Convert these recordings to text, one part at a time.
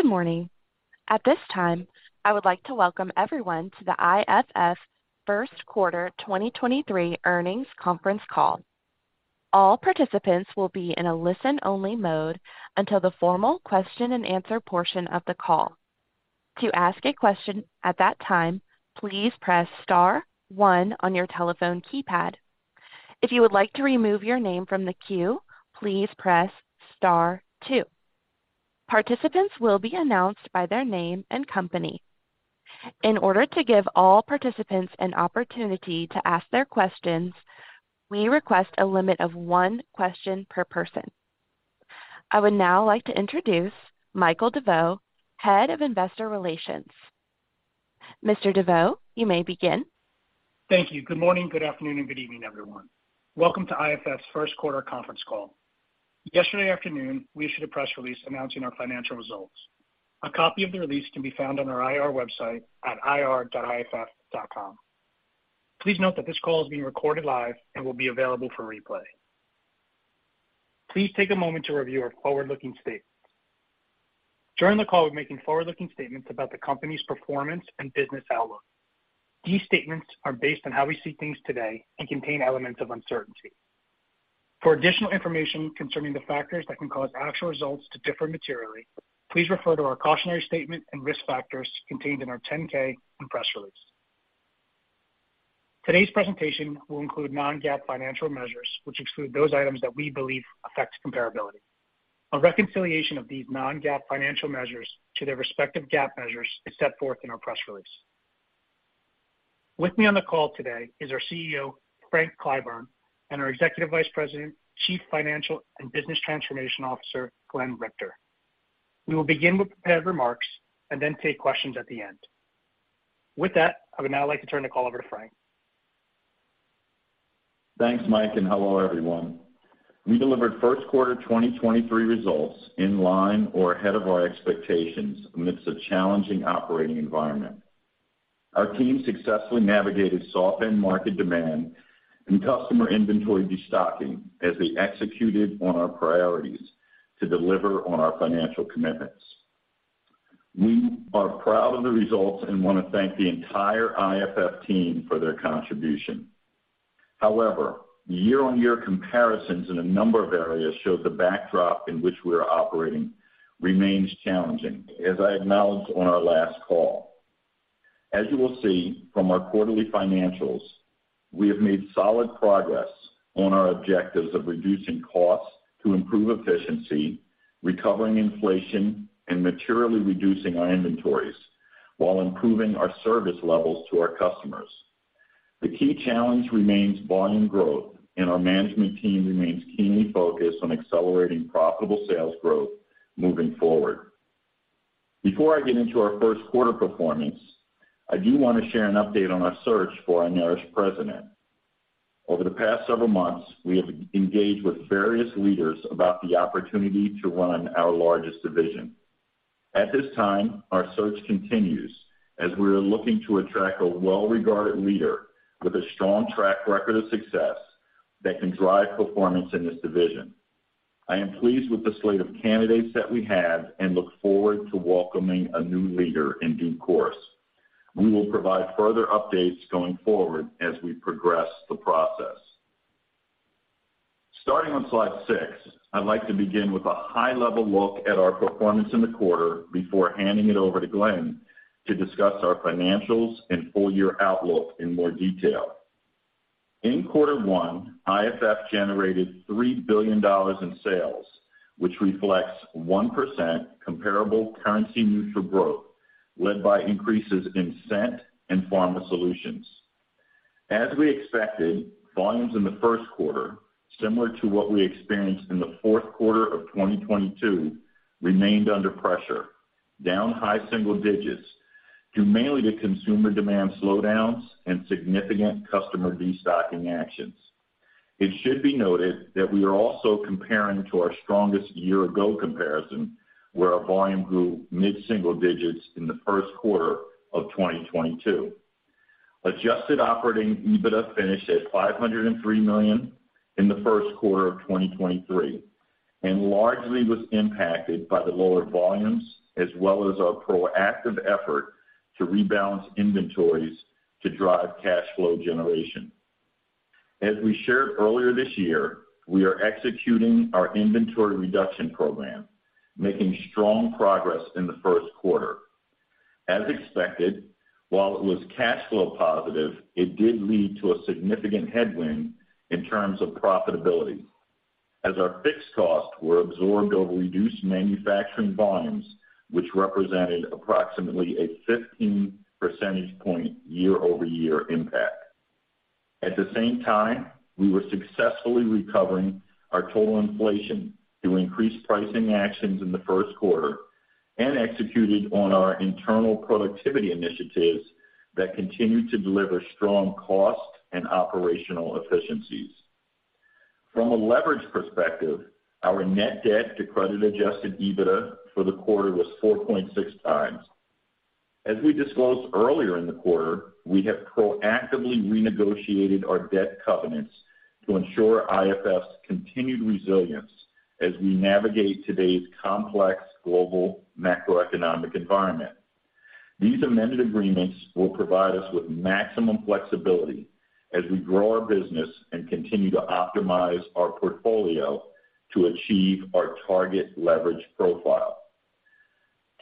Good morning. At this time, I would like to welcome everyone to the IFF Q1 2023 earnings conference call. All participants will be in a listen-only mode until the formal question-and-answer portion of the call. To ask a question at that time, please press star one on your telephone keypad. If you would like to remove your name from the queue, please press star two. Participants will be announced by their name and company. In order to give all participants an opportunity to ask their questions, we request a limit of one question per person. I would now like to introduce Michael DeVeau, Head of Investor Relations. Mr. DeVeau, you may begin. Thank you. Good morning, good afternoon, and good evening, everyone. Welcome to IFF's Q1 conference call. Yesterday afternoon, we issued a press release announcing our financial results. A copy of the release can be found on our IR website at ir.iff.com. Please note that this call is being recorded live and will be available for replay. Please take a moment to review our forward-looking statements. During the call, we're making forward-looking statements about the company's performance and business outlook. These statements are based on how we see things today and contain elements of uncertainty. For additional information concerning the factors that can cause actual results to differ materially, please refer to our cautionary statement and risk factors contained in our 10-K and press release. Today's presentation will include non-GAAP financial measures, which exclude those items that we believe affect comparability. A reconciliation of these non-GAAP financial measures to their respective GAAP measures is set forth in our press release. With me on the call today is our CEO, Frank Clyburn, and our Executive Vice President, Chief Financial and Business Transformation Officer, Glenn Richter. We will begin with prepared remarks and then take questions at the end. With that, I would now like to turn the call over to Frank. Thanks, Mike, and hello, everyone. We delivered Q1 2023 results in line or ahead of our expectations amidst a challenging operating environment. Our team successfully navigated soft end market demand and customer inventory destocking as we executed on our priorities to deliver on our financial commitments. We are proud of the results and wanna thank the entire IFF team for their contribution. However, year-on-year comparisons in a number of areas show the backdrop in which we are operating remains challenging, as I acknowledged on our last call. As you will see from our quarterly financials, we have made solid progress on our objectives of reducing costs to improve efficiency, recovering inflation, and materially reducing our inventories while improving our service levels to our customers. The key challenge remains volume growth, and our management team remains keenly focused on accelerating profitable sales growth moving forward. Before I get into our Q1 performance, I do wanna share an update on our search for our Nourish President. Over the past several months, we have engaged with various leaders about the opportunity to run our largest division. At this time, our search continues as we are looking to attract a well-regarded leader with a strong track record of success that can drive performance in this division. I am pleased with the slate of candidates that we have and look forward to welcoming a new leader in due course. We will provide further updates going forward as we progress the process. Starting on slide six, I'd like to begin with a high-level look at our performance in the quarter before handing it over to Glenn to discuss our financials and full-year outlook in more detail. In quarter one, IFF generated $3 billion in sales, which reflects 1% comparable currency neutral growth, led by increases in Scent and Pharma Solutions. As we expected, volumes in the Q1, similar to what we experienced in the Q4 of 2022, remained under pressure, down high single digits, due mainly to consumer demand slowdowns and significant customer destocking actions. It should be noted that we are also comparing to our strongest year-ago comparison, where our volume grew mid-single digits in the Q1 of 2022. Adjusted operating EBITDA finished at $503 million in the Q1 of 2023, largely was impacted by the lower volumes as well as our proactive effort to rebalance inventories to drive cash flow generation. As we shared earlier this year, we are executing our inventory reduction program, making strong progress in the Q1. As expected, while it was cash flow positive, it did lead to a significant headwind in terms of profitability as our fixed costs were absorbed over reduced manufacturing volumes, which represented approximately a 15 percentage point year-over-year impact. At the same time, we were successfully recovering our total inflation through increased pricing actions in the Q1 and executed on our internal productivity initiatives that continued to deliver strong cost and operational efficiencies. From a leverage perspective, our net debt to credit-adjusted EBITDA for the quarter was 4.6x. As we disclosed earlier in the quarter, we have proactively renegotiated our debt covenants to ensure IFF continued resilience as we navigate today's complex global macroeconomic environment. These amended agreements will provide us with maximum flexibility as we grow our business and continue to optimize our portfolio to achieve our target leverage profile.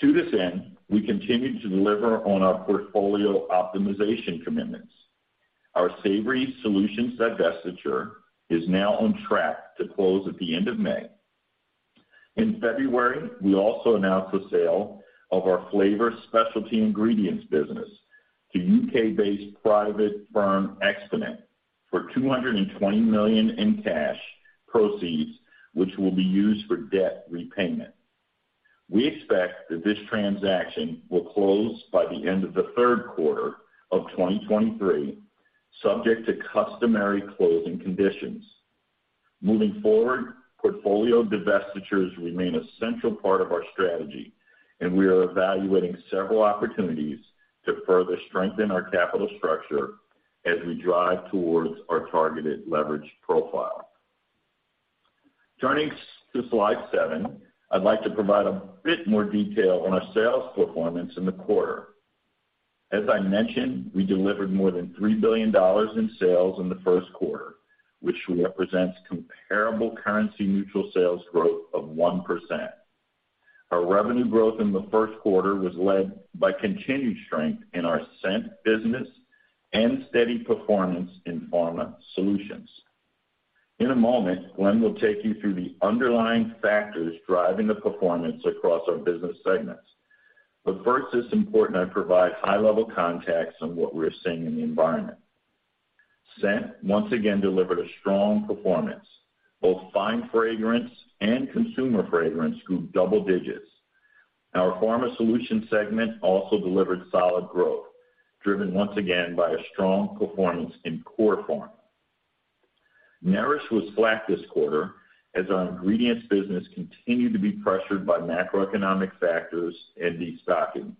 To this end, we continue to deliver on our portfolio optimization commitments. Our Savory Solutions divestiture is now on track to close at the end of May. In February, we also announced the sale of our Flavor Specialty Ingredients business to U.K.-based private firm, Exponent, for $220 million in cash proceeds, which will be used for debt repayment. We expect that this transaction will close by the end of the Q3 of 2023, subject to customary closing conditions. Moving forward, portfolio divestitures remain a central part of our strategy, and we are evaluating several opportunities to further strengthen our capital structure as we drive towards our targeted leverage profile. Turning to slide seven, I'd like to provide a bit more detail on our sales performance in the quarter. As I mentioned, we delivered more than $3 billion in sales in the Q1, which represents comparable currency neutral sales growth of 1%. Our revenue growth in the Q1 was led by continued strength in our Scent business and steady performance in Pharma Solutions. In a moment, Glenn will take you through the underlying factors driving the performance across our business segments. First, it's important I provide high-level context on what we're seeing in the environment. Scent once again delivered a strong performance. Both Fine Fragrance and Consumer Fragrance grew double digits. Our Pharma Solutions segment also delivered solid growth, driven once again by a strong performance in Core Pharma. Nourish was flat this quarter as our Ingredients business continued to be pressured by macroeconomic factors and destocking,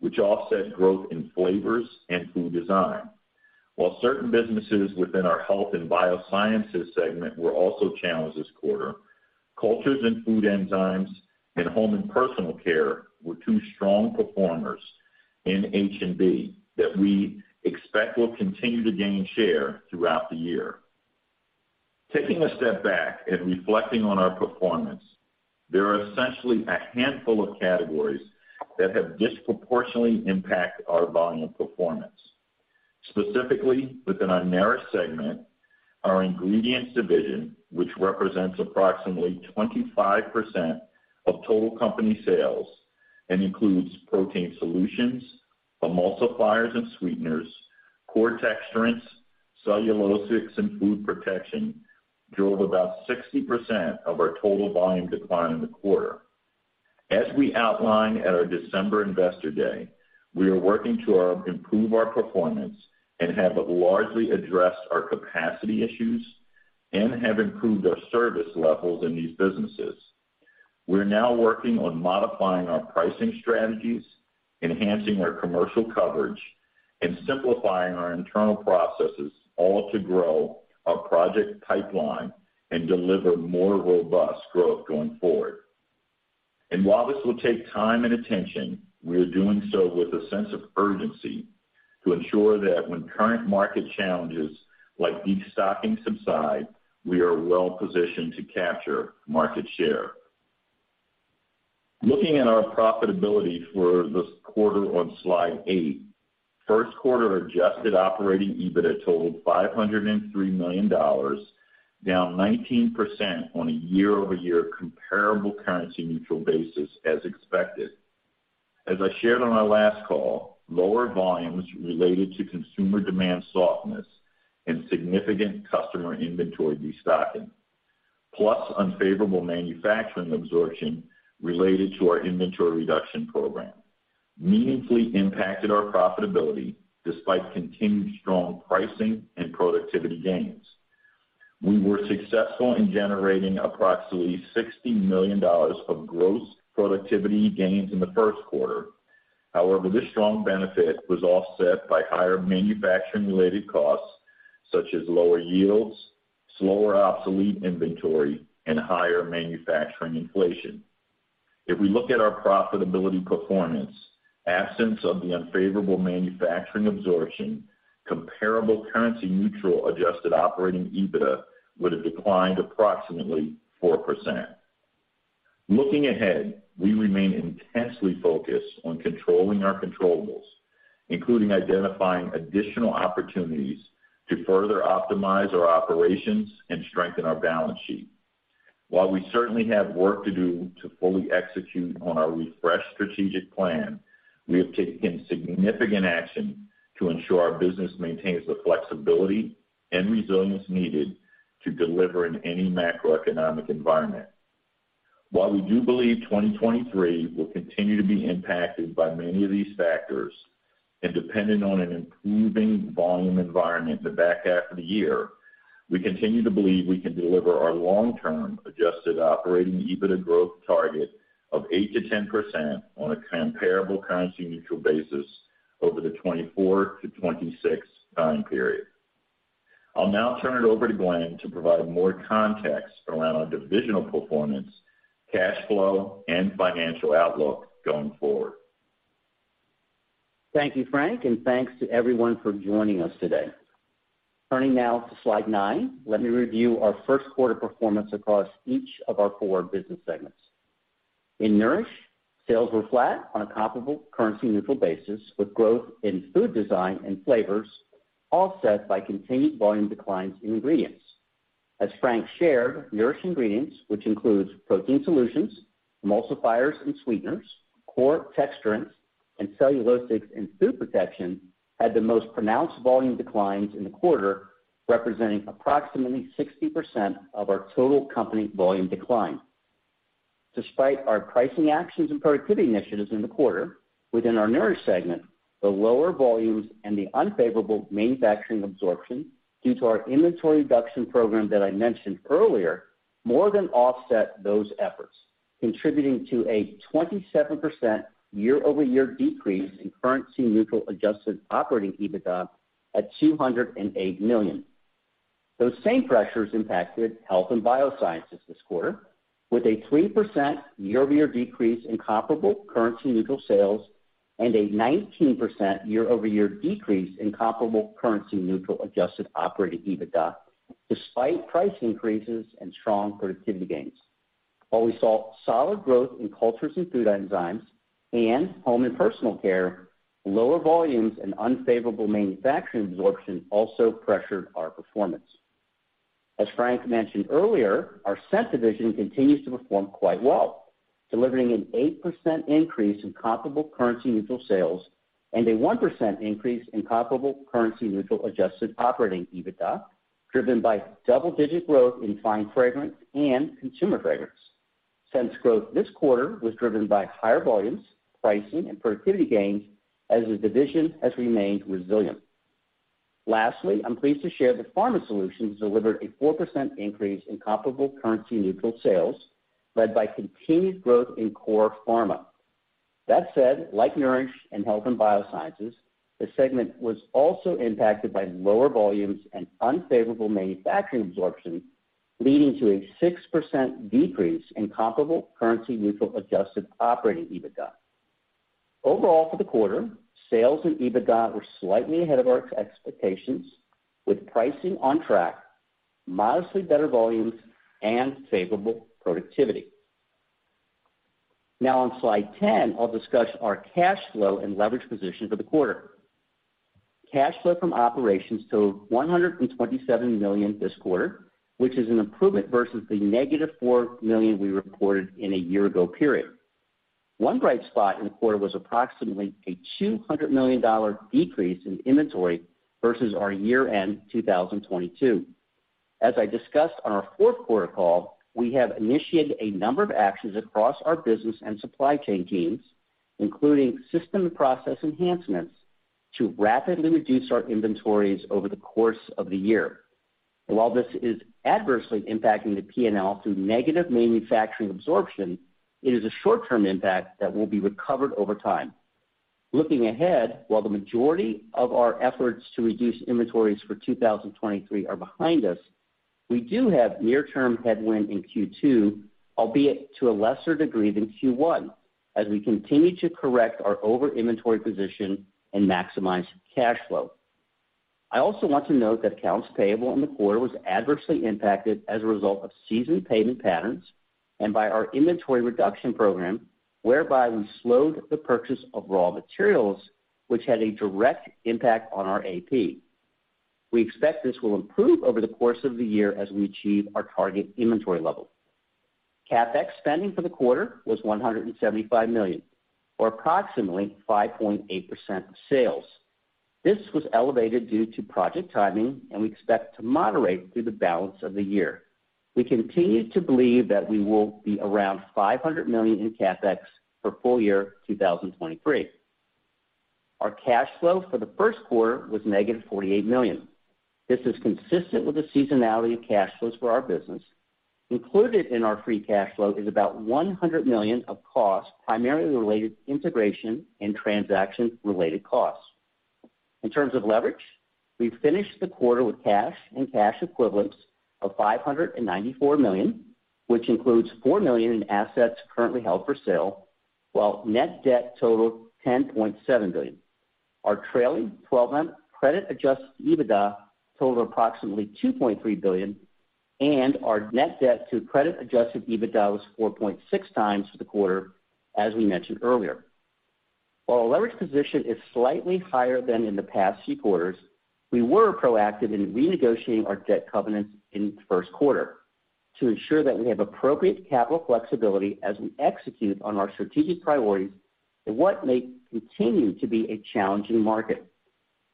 which offset growth in Flavors and Food Design. While certain businesses within our Health & Biosciences segment were also challenged this quarter, Cultures & Food Enzymes and Home & Personal Care were two strong performers in H&B that we expect will continue to gain share throughout the year. Taking a step back and reflecting on our performance, there are essentially a handful of categories that have disproportionately impacted our volume performance. Specifically, within our Nourish segment, our Ingredients division, which represents approximately 25% of total company sales and includes Protein Solutions, Emulsifiers & Sweeteners, core texturants, cellulosics, and Food Protection, drove about 60% of our total volume decline in the quarter. As we outlined at our December Investor Day, we are working to our improve our performance and have largely addressed our capacity issues and have improved our service levels in these businesses. We're now working on modifying our pricing strategies, enhancing our commercial coverage, and simplifying our internal processes, all to grow our project pipeline and deliver more robust growth going forward. While this will take time and attention, we are doing so with a sense of urgency to ensure that when current market challenges like destocking subside, we are well-positioned to capture market share. Looking at our profitability for this quarter on slide eight, Q1 adjusted operating EBITDA totaled $503 million, down 19% on a year-over-year comparable currency neutral basis as expected. As I shared on our last call, lower volumes related to consumer demand softness and significant customer inventory destocking, plus unfavorable manufacturing absorption related to our inventory reduction program, meaningfully impacted our profitability despite continued strong pricing and productivity gains. We were successful in generating approximately $60 million of gross productivity gains in the Q1. This strong benefit was offset by higher manufacturing-related costs, such as lower yields, slower obsolete inventory, and higher manufacturing inflation. If we look at our profitability performance, absence of the unfavorable manufacturing absorption, comparable currency neutral adjusted operating EBITDA would have declined approximately 4%. Looking ahead, we remain intensely focused on controlling our controllables, including identifying additional opportunities to further optimize our operations and strengthen our balance sheet. While we certainly have work to do to fully execute on our refreshed strategic plan, we have taken significant action to ensure our business maintains the flexibility and resilience needed to deliver in any macroeconomic environment. While we do believe 2023 will continue to be impacted by many of these factors. Depending on an improving volume environment in the back half of the year, we continue to believe we can deliver our long-term adjusted operating EBITDA growth target of 8%-10% on a comparable currency-neutral basis over the 2024-2026 time period. I'll now turn it over to Glenn to provide more context around our divisional performance, cash flow, and financial outlook going forward. Thank you, Frank, and thanks to everyone for joining us today. Turning now to slide 9, let me review our Q1 performance across each of our 4 business segments. In Nourish, sales were flat on a comparable currency neutral basis, with growth in food design and flavors offset by continued volume declines in ingredients. As Frank shared, Nourish ingredients, which includes protein solutions, emulsifiers and sweeteners, core texturants, and cellulosics and food protection, had the most pronounced volume declines in the quarter, representing approximately 60% of our total company volume decline. Despite our pricing actions and productivity initiatives in the quarter within our Nourish segment, the lower volumes and the unfavorable manufacturing absorption due to our inventory reduction program that I mentioned earlier more than offset those efforts, contributing to a 27% year-over-year decrease in currency neutral adjusted operating EBITDA at $208 million. Those same pressures impacted Health & Biosciences this quarter, with a 3% year-over-year decrease in comparable currency neutral sales and a 19% year-over-year decrease in comparable currency neutral adjusted operating EBITDA, despite price increases and strong productivity gains. While we saw solid growth in Cultures & Food Enzymes and Home & Personal Care, lower volumes and unfavorable manufacturing absorption also pressured our performance. As Frank mentioned earlier, our Scent division continues to perform quite well, delivering an 8% increase in comparable currency neutral sales and a 1% increase in comparable currency neutral adjusted operating EBITDA, driven by double-digit growth in Fine Fragrance and Consumer Fragrance. Scent's growth this quarter was driven by higher volumes, pricing, and productivity gains as the division has remained resilient. Lastly, I'm pleased to share that Pharma Solutions delivered a 4% increase in comparable currency neutral sales led by continued growth in Core Pharma. Like Nourish and Health & Biosciences, the segment was also impacted by lower volumes and unfavorable manufacturing absorption, leading to a 6% decrease in comparable currency neutral adjusted operating EBITDA. Overall for the quarter, sales and EBITDA were slightly ahead of our expectations with pricing on track, modestly better volumes and favorable productivity. On slide 10, I'll discuss our cash flow and leverage position for the quarter. Cash flow from operations to $127 million this quarter, which is an improvement versus the negative $4 million we reported in a year ago period. One bright spot in the quarter was approximately a $200 million decrease in inventory versus our year-end 2022. As I discussed on our Q4 call, we have initiated a number of actions across our business and supply chain teams, including system and process enhancements, to rapidly reduce our inventories over the course of the year. While this is adversely impacting the P&L through negative manufacturing absorption, it is a short-term impact that will be recovered over time. Looking ahead, while the majority of our efforts to reduce inventories for 2023 are behind us, we do have near-term headwind in Q2, albeit to a lesser degree than Q1, as we continue to correct our over inventory position and maximize cash flow. I also want to note that accounts payable in the quarter was adversely impacted as a result of seasoned payment patterns and by our inventory reduction program, whereby we slowed the purchase of raw materials which had a direct impact on our AP. We expect this will improve over the course of the year as we achieve our target inventory level. CapEx spending for the quarter was $175 million, or approximately 5.8% of sales. This was elevated due to project timing, and we expect to moderate through the balance of the year. We continue to believe that we will be around $500 million in CapEx for full year 2023. Our cash flow for the Q1 was -$48 million. This is consistent with the seasonality of cash flows for our business. Included in our free cash flow is about $100 million of costs primarily related to integration and transaction-related costs. In terms of leverage, we finished the quarter with cash and cash equivalents of $594 million, which includes $4 million in assets currently held for sale, while net debt totaled $10.7 billion. Our trailing twelve-month credit-adjusted EBITDA totaled approximately $2.3 billion, and our net debt to credit-adjusted EBITDA was 4.6x for the quarter, as we mentioned earlier.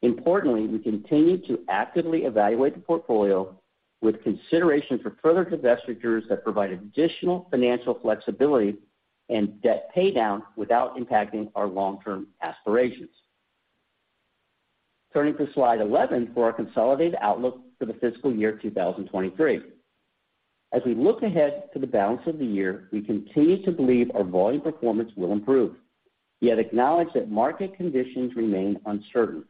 Importantly, we continue to actively evaluate the portfolio with consideration for further divestitures that provide additional financial flexibility and debt pay down without impacting our long-term aspirations. Turning to slide 11 for our consolidated outlook for the fiscal year 2023. As we look ahead to the balance of the year, we continue to believe our volume performance will improve, yet acknowledge that market conditions remain uncertain.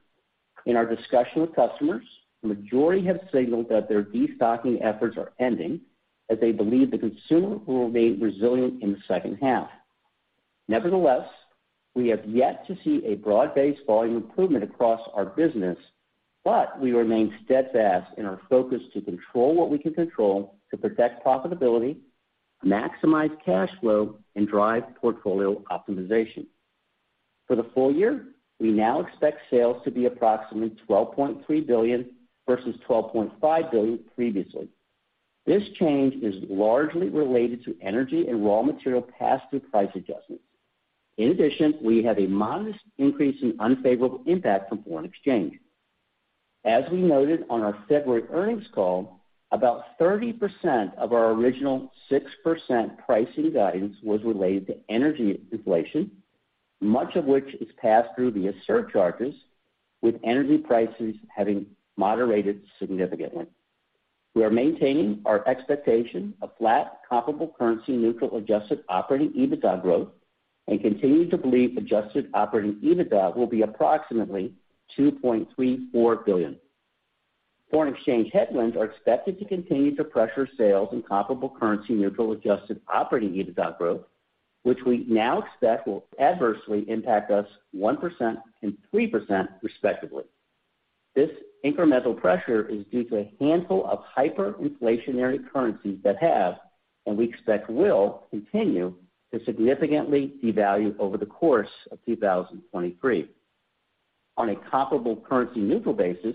In our discussion with customers, the majority have signaled that their destocking efforts are ending as they believe the consumer will remain resilient in the second half. Nevertheless, we have yet to see a broad-based volume improvement across our business. We remain steadfast in our focus to control what we can control to protect profitability, maximize cash flow, and drive portfolio optimization. For the full year, we now expect sales to be approximately $12.3 billion versus $12.5 billion previously. This change is largely related to energy and raw material pass-through price adjustments. We have a modest increase in unfavorable impact from foreign exchange. As we noted on our February earnings call, about 30% of our original 6% pricing guidance was related to energy inflation, much of which is passed through via surcharges, with energy prices having moderated significantly. We are maintaining our expectation of flat comparable currency neutral adjusted operating EBITDA growth and continue to believe adjusted operating EBITDA will be approximately $2.34 billion. Foreign exchange headwinds are expected to continue to pressure sales and comparable currency neutral adjusted operating EBITDA growth, which we now expect will adversely impact us 1% and 3% respectively. This incremental pressure is due to a handful of hyperinflationary currencies that have, and we expect will, continue to significantly devalue over the course of 2023. On a comparable currency-neutral basis,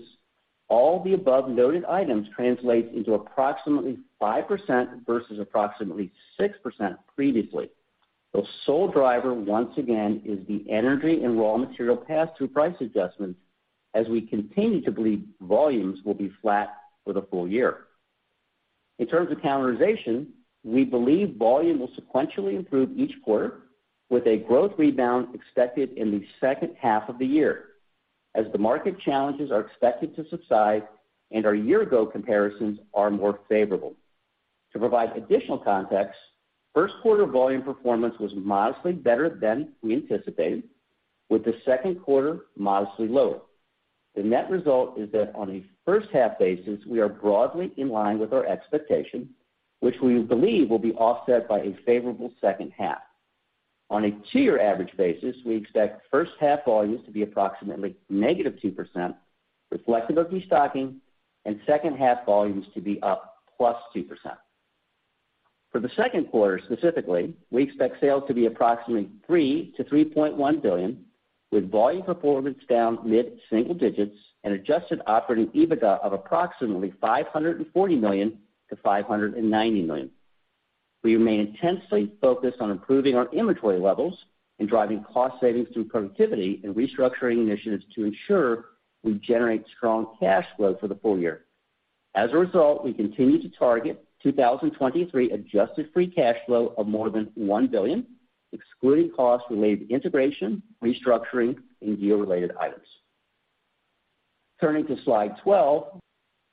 all the above noted items translate into approximately 5% versus approximately 6% previously. The sole driver, once again, is the energy and raw material pass-through price adjustments, as we continue to believe volumes will be flat for the full year. In terms of calendarization, we believe volume will sequentially improve each quarter, with a growth rebound expected in the second half of the year as the market challenges are expected to subside and our year-ago comparisons are more favorable. To provide additional context, Q1 volume performance was modestly better than we anticipated, with the Q2 modestly lower. The net result is that on a first half basis, we are broadly in line with our expectation, which we believe will be offset by a favorable second half. On a two-year average basis, we expect first half volumes to be approximately -2% reflective of destocking and second half volumes to be up +2%. For the 2Q, specifically, we expect sales to be approximately $3 billion-$3.1 billion, with volume performance down mid-single digits and adjusted operating EBITDA of approximately $540 million-$590 million. We remain intensely focused on improving our inventory levels and driving cost savings through productivity and restructuring initiatives to ensure we generate strong cash flow for the full year. As a result, we continue to target 2023 adjusted free cash flow of more than $1 billion, excluding costs related to integration, restructuring, and deal-related items. Turning to slide 12.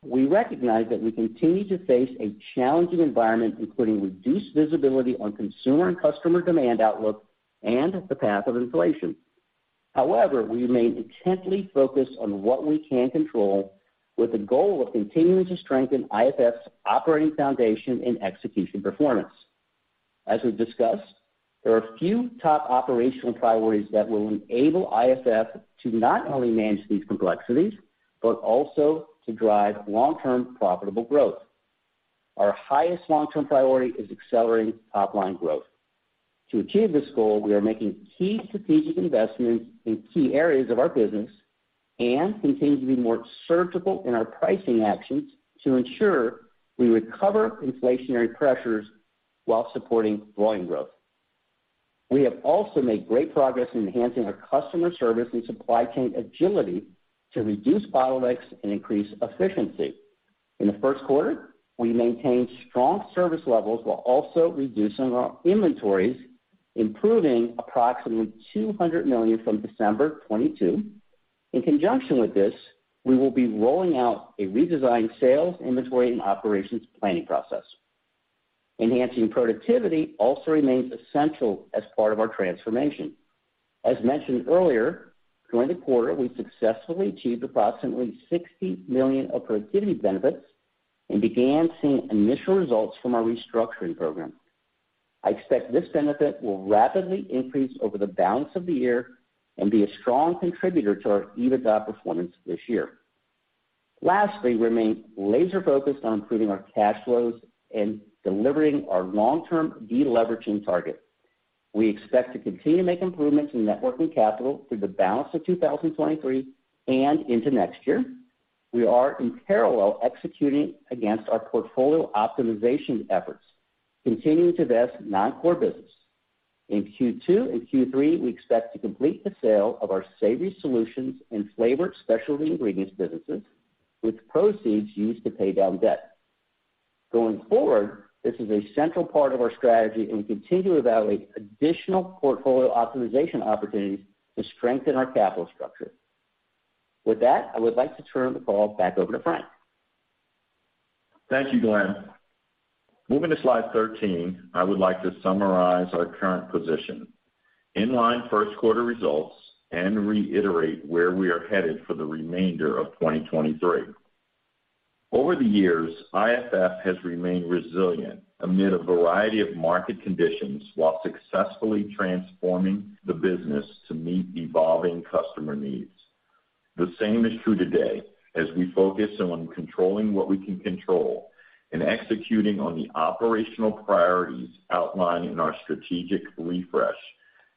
We recognize that we continue to face a challenging environment, including reduced visibility on consumer and customer demand outlook and the path of inflation. We remain intently focused on what we can control, with the goal of continuing to strengthen IFF's operating foundation and execution performance. As we've discussed, there are a few top operational priorities that will enable IFF to not only manage these complexities, but also to drive long-term profitable growth. Our highest long-term priority is accelerating top line growth. To achieve this goal, we are making key strategic investments in key areas of our business and continue to be more surgical in our pricing actions to ensure we recover inflationary pressures while supporting volume growth. We have also made great progress in enhancing our customer service and supply chain agility to reduce bottlenecks and increase efficiency. In the Q1, we maintained strong service levels while also reducing our inventories, improving approximately $200 million from December 2022. In conjunction with this, we will be rolling out a redesigned sales, inventory, and operations planning process. Enhancing productivity also remains essential as part of our transformation. As mentioned earlier, during the quarter, we successfully achieved approximately $60 million of productivity benefits and began seeing initial results from our restructuring program. I expect this benefit will rapidly increase over the balance of the year and be a strong contributor to our EBITDA performance this year. Lastly, we remain laser-focused on improving our cash flows and delivering our long-term deleveraging target. We expect to continue to make improvements in net working capital through the balance of 2023 and into next year. We are in parallel executing against our portfolio optimization efforts, continuing to vest non-core business. In Q2 and Q3, we expect to complete the sale of our Savory Solutions and Flavor Specialty Ingredients businesses, with proceeds used to pay down debt. Going forward, this is a central part of our strategy, and we continue to evaluate additional portfolio optimization opportunities to strengthen our capital structure. With that, I would like to turn the call back over to Frank. Thank you, Glenn. Moving to slide 13, I would like to summarize our current position, in line Q1 results, and reiterate where we are headed for the remainder of 2023. Over the years, IFF has remained resilient amid a variety of market conditions while successfully transforming the business to meet evolving customer needs. The same is true today as we focus on controlling what we can control and executing on the operational priorities outlined in our strategic refresh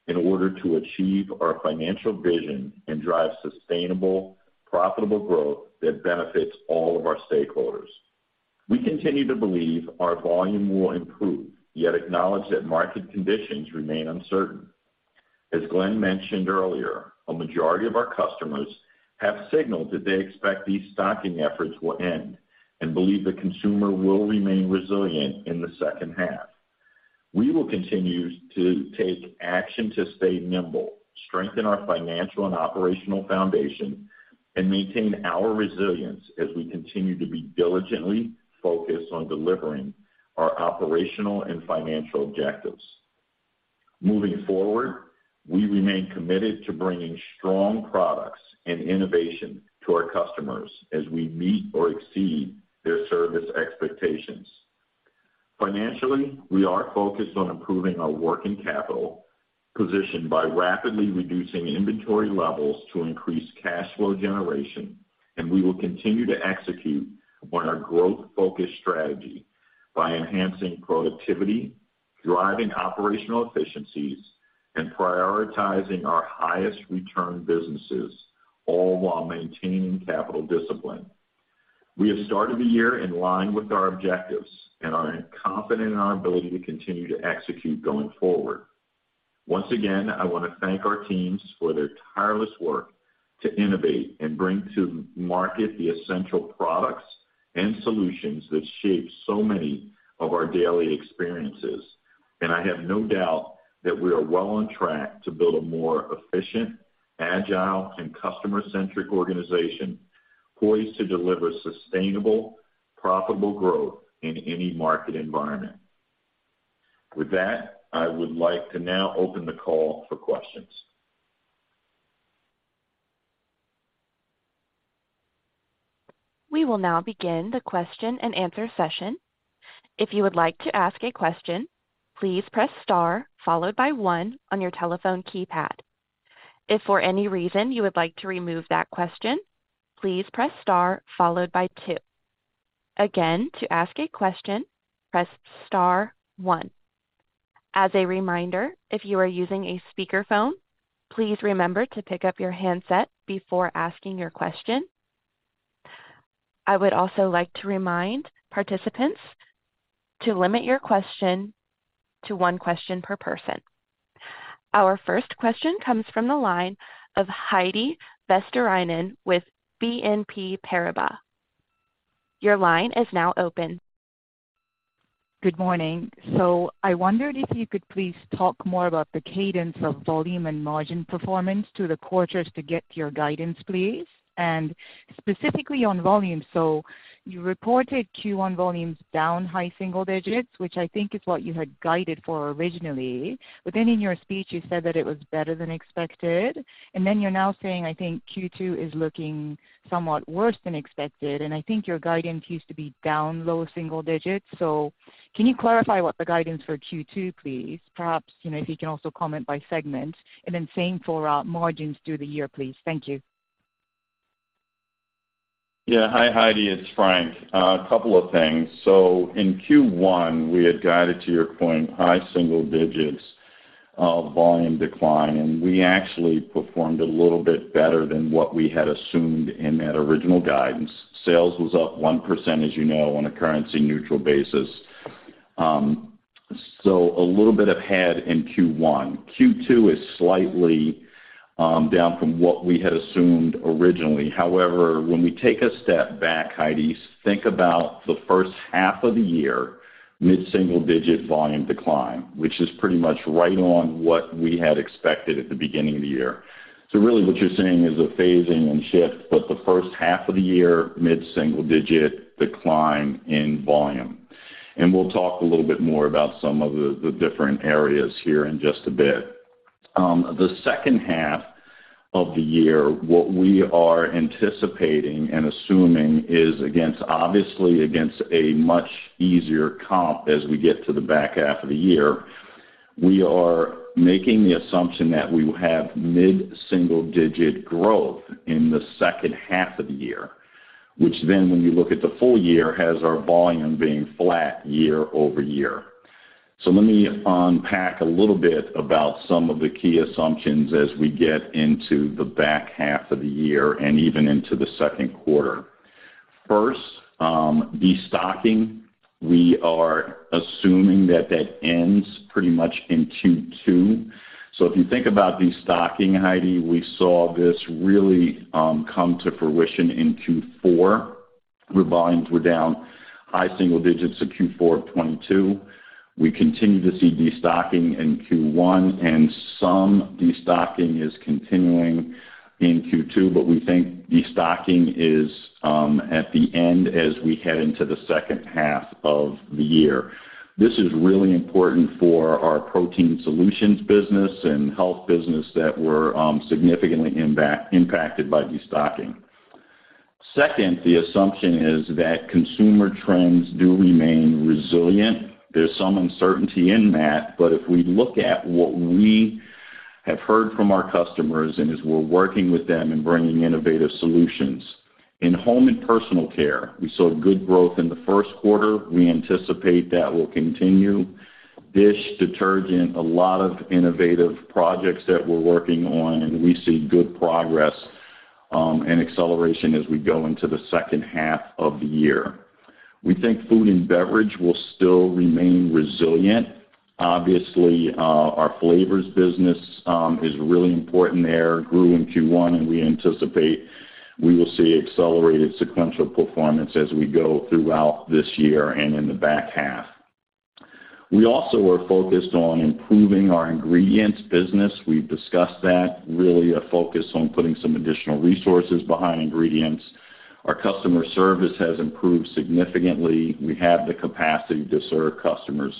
in order to achieve our financial vision and drive sustainable, profitable growth that benefits all of our stakeholders. We continue to believe our volume will improve, acknowledge that market conditions remain uncertain. As Glenn mentioned earlier, a majority of our customers have signaled that they expect these stocking efforts will end and believe the consumer will remain resilient in the second half. We will continue to take action to stay nimble, strengthen our financial and operational foundation, and maintain our resilience as we continue to be diligently focused on delivering our operational and financial objectives. Moving forward, we remain committed to bringing strong products and innovation to our customers as we meet or exceed their service expectations. Financially, we are focused on improving our working capital position by rapidly reducing inventory levels to increase cash flow generation. We will continue to execute on our growth-focused strategy by enhancing productivity, driving operational efficiencies, and prioritizing our highest return businesses, all while maintaining capital discipline. We have started the year in line with our objectives and are confident in our ability to continue to execute going forward. Once again, I want to thank our teams for their tireless work to innovate and bring to market the essential products and solutions that shape so many of our daily experiences. I have no doubt that we are well on track to build a more efficient, agile, and customer-centric organization poised to deliver sustainable, profitable growth in any market environment. With that, I would like to now open the call for questions. We will now begin the question-and-answer session. If you would like to ask a question, please press star followed by one on your telephone keypad. If for any reason you would like to remove that question, please press star followed by two. Again, to ask a question, press star one. As a reminder, if you are using a speakerphone, please remember to pick up your handset before asking your question. I would also like to remind participants to limit your question to one question per person. Our first question comes from the line of Heidi Vesterinen with BNP Paribas. Your line is now open. Good morning. I wondered if you could please talk more about the cadence of volume and margin performance through the quarters to get to your guidance, please. Specifically on volume, you reported Q1 volumes down high single digits, which I think is what you had guided for originally. In your speech, you said that it was better than expected. Then you're now saying, I think Q2 is looking somewhat worse than expected, and I think your guidance used to be down low single digits. Can you clarify what the guidance for Q2 please? Perhaps, you know, if you can also comment by segment then same for margins through the year, please. Thank you. Hi, Heidi. It's Frank. A couple of things. In Q1, we had guided, to your point, high single digits of volume decline, and we actually performed a little bit better than what we had assumed in that original guidance. Sales was up 1%, as you know, on a currency-neutral basis. A little bit of head in Q1. Q2 is slightly down from what we had assumed originally. However, when we take a step back, Heidi, think about the first half of the year, mid-single digit volume decline, which is pretty much right on what we had expected at the beginning of the year. Really what you're seeing is a phasing and shift, but the first half of the year, mid-single digit decline in volume. We'll talk a little bit more about some of the different areas here in just a bit. The second half of the year, what we are anticipating and assuming is against, obviously against a much easier comp as we get to the back half of the year. We are making the assumption that we will have mid-single digit growth in the second half of the year, which then when you look at the full year, has our volume being flat year-over-year. Let me unpack a little bit about some of the key assumptions as we get into the back half of the year and even into the Q2. First, destocking, we are assuming that that ends pretty much in Q2. If you think about destocking, Heidi, we saw this really come to fruition in Q4, where volumes were down high single digits of Q4 2022. We continue to see destocking in Q1, and some destocking is continuing in Q2, but we think destocking is at the end as we head into the second half of the year. This is really important for our Protein Solutions business and Health business that were significantly impacted by destocking. The assumption is that consumer trends do remain resilient. There's some uncertainty in that, but if we look at what we have heard from our customers and as we're working with them in bringing innovative solutions. In Home & Personal Care, we saw good growth in the Q1. We anticipate that will continue. Dish detergent, a lot of innovative projects that we're working on, and we see good progress and acceleration as we go into the second half of the year. We think food and beverage will still remain resilient. Obviously, our Flavors business is really important there, grew in Q1, and we anticipate we will see accelerated sequential performance as we go throughout this year and in the back half. We also are focused on improving our Ingredients business. We've discussed that, really a focus on putting some additional resources behind Ingredients. Our customer service has improved significantly. We have the capacity to serve customers.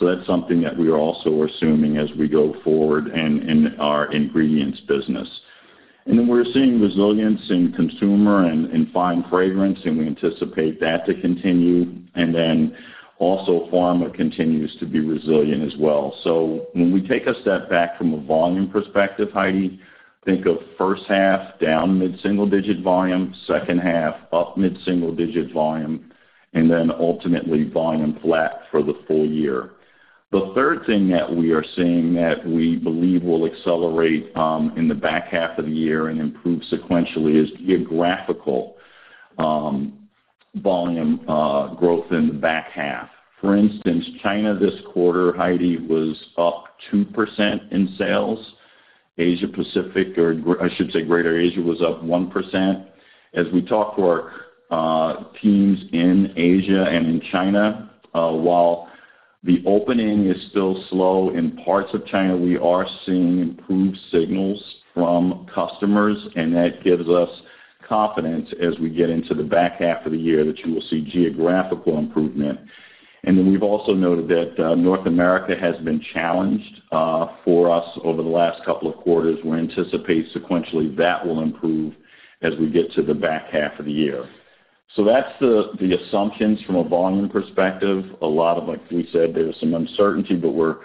That's something that we are also assuming as we go forward in our Ingredients business. We're seeing resilience in Consumer Fragrance and in Fine Fragrance, and we anticipate that to continue. Also pharma continues to be resilient as well. When we take a step back from a volume perspective, Heidi, think of first half down mid-single digit volume, second half up mid-single digit volume, and then ultimately volume flat for the full year. The third thing that we are seeing that we believe will accelerate in the back half of the year and improve sequentially is geographical volume growth in the back half. For instance, China this quarter, Heidi, was up 2% in sales. Asia Pacific, or I should say Greater Asia, was up 1%. As we talk to our teams in Asia and in China, while the opening is still slow in parts of China, we are seeing improved signals from customers, and that gives us confidence as we get into the back half of the year that you will see geographical improvement. We've also noted that North America has been challenged for us over the last couple of quarters. We anticipate sequentially that will improve as we get to the back half of the year. That's the assumptions from a volume perspective. A lot of, like we said, there's some uncertainty, but we're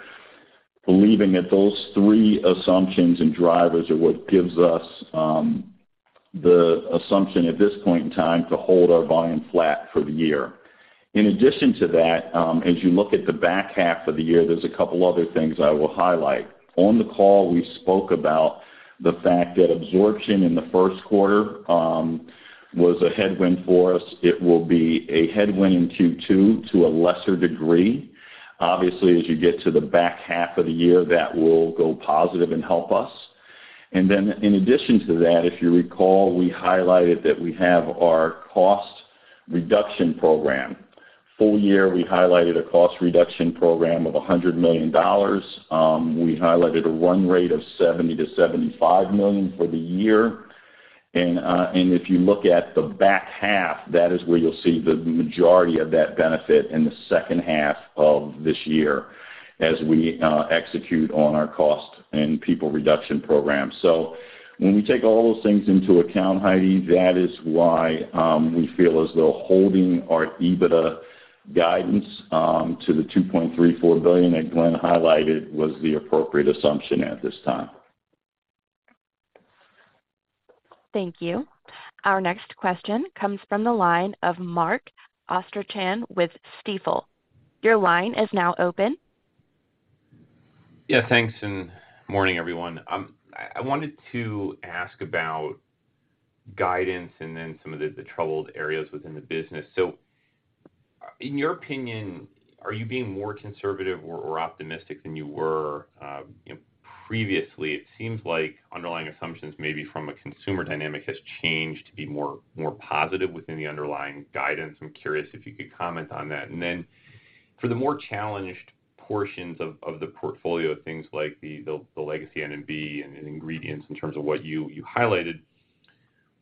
believing that those three assumptions and drivers are what gives us the assumption at this point in time to hold our volume flat for the year. In addition to that, as you look at the back half of the year, there's a couple other things I will highlight. On the call, we spoke about the fact that absorption in the Q1 was a headwind for us. It will be a headwind in Q2 to a lesser degree. Obviously, as you get to the back half of the year, that will go positive and help us. In addition to that, if you recall, we highlighted that we have our cost reduction program. Full year, we highlighted a cost reduction program of $100 million. We highlighted a run rate of $70 million-$75 million for the year. If you look at the back half, that is where you'll see the majority of that benefit in the second half of this year as we execute on our cost and people reduction program. When we take all those things into account, Heidi, that is why we feel as though holding our EBITDA guidance to the $2.34 billion that Glenn highlighted was the appropriate assumption at this time. Thank you. Our next question comes from the line of Mark Astrachan with Stifel. Your line is now open. Yeah, thanks, and morning, everyone. I wanted to ask about guidance and then some of the troubled areas within the business. In your opinion, are you being more conservative or optimistic than you were, you know, previously? It seems like underlying assumptions, maybe from a consumer dynamic, has changed to be more positive within the underlying guidance. I'm curious if you could comment on that. For the more challenged portions of the portfolio, things like the legacy N&B and ingredients in terms of what you highlighted,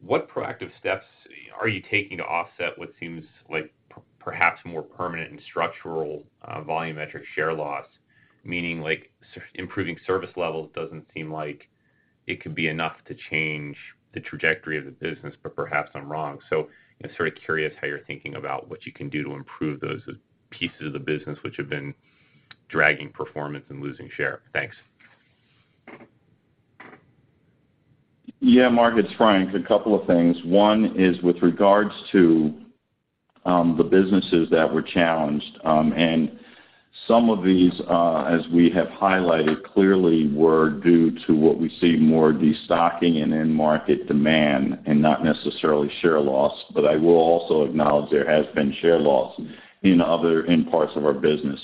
what proactive steps are you taking to offset what seems like perhaps more permanent and structural volumetric share loss? Meaning like, improving service levels doesn't seem like it could be enough to change the trajectory of the business, but perhaps I'm wrong. Just sort of curious how you're thinking about what you can do to improve those pieces of the business which have been dragging performance and losing share? Thanks. Mark, it's Frank. A couple of things. One is with regards to the businesses that were challenged, Some of these, as we have highlighted clearly were due to what we see more destocking and end market demand and not necessarily share loss. I will also acknowledge there has been share loss in parts of our business.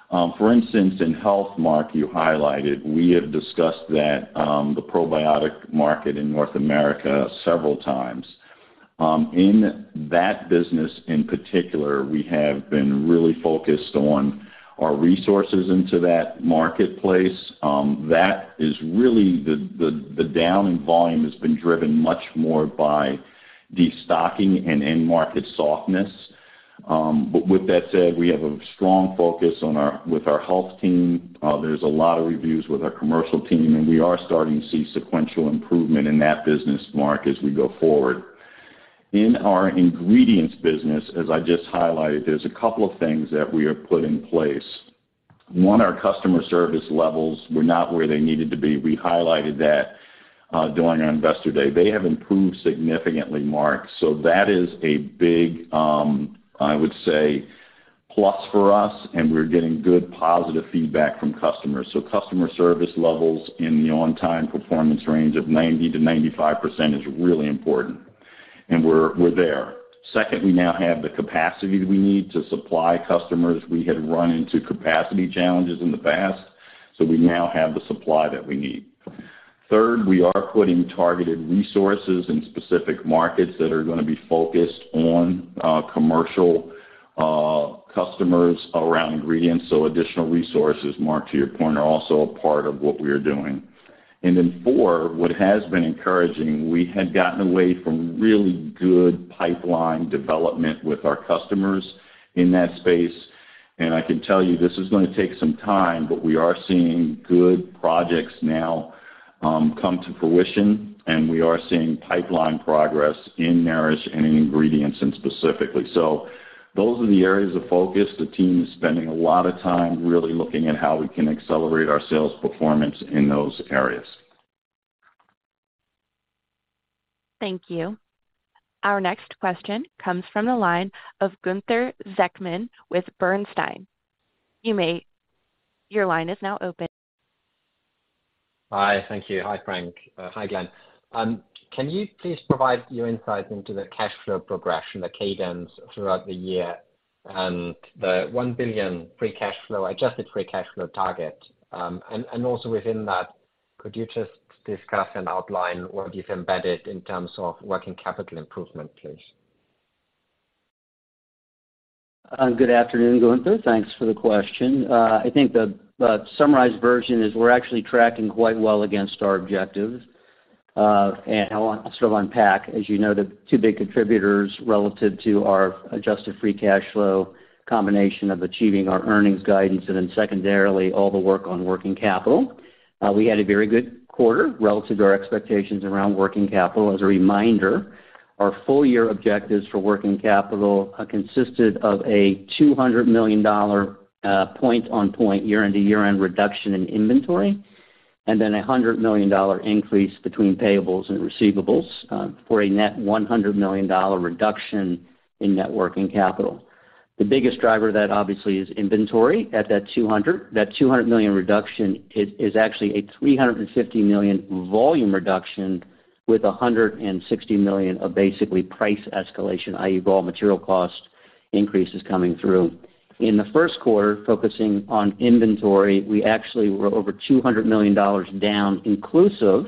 For instance, in health, Mark, you highlighted, we have discussed that the probiotic market in North America several times. In that business in particular, we have been really focused on our resources into that marketplace. That is really the down in volume has been driven much more by destocking and end market softness. With that said, we have a strong focus with our health team. There's a lot of reviews with our commercial team. We are starting to see sequential improvement in that business, Mark, as we go forward. In our Ingredients business, as I just highlighted, there's a couple of things that we have put in place. One, our customer service levels were not where they needed to be. We highlighted that during our investor day. They have improved significantly, Mark. That is a big, I would say, plus for us, and we're getting good positive feedback from customers. Customer service levels in the on time performance range of 90%-95% is really important, and we're there. Second, we now have the capacity we need to supply customers. We had run into capacity challenges in the past, so we now have the supply that we need. Third, we are putting targeted resources in specific markets that are gonna be focused on commercial customers around Ingredients. Additional resources, Mark, to your point, are also a part of what we are doing. Four, what has been encouraging, we had gotten away from really good pipeline development with our customers in that space. I can tell you this is gonna take some time, but we are seeing good projects now come to fruition, and we are seeing pipeline progress in Nourish and in Ingredients and specifically. Those are the areas of focus. The team is spending a lot of time really looking at how we can accelerate our sales performance in those areas. Thank you. Our next question comes from the line of Gunther Zechmann with Bernstein. Your line is now open. Hi. Thank you. Hi, Frank. Hi, Glenn. Can you please provide your insight into the cash flow progression, the cadence throughout the year and the $1 billion free cash flow, adjusted free cash flow target? And also within that, could you just discuss and outline what you've embedded in terms of working capital improvement, please? Good afternoon, Gunther. Thanks for the question. I think the summarized version is we're actually tracking quite well against our objectives. I want to sort of unpack, as you know, the 2 big contributors relative to our adjusted free cash flow, combination of achieving our earnings guidance and then secondarily, all the work on working capital. We had a very good quarter relative to our expectations around working capital. As a reminder, our full year objectives for working capital consisted of a $200 million point on point, year-end to year-end reduction in inventory, and then a $100 million increase between payables and receivables for a net $100 million reduction in net working capital. The biggest driver of that obviously is inventory at that 200. That $200 million reduction is actually a $350 million volume reduction with a $160 million of basically price escalation, i.e., raw material cost increases coming through. In the Q1, focusing on inventory, we actually were over $200 million down inclusive